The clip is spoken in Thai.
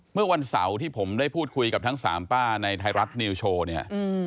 เมื่อวันเสาร์ที่ผมได้พูดคุยกับทั้งสามป้าในไทยรัฐนิวโชว์เนี่ย